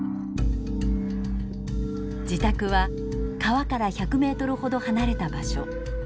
自宅は川から１００ｍほど離れた場所。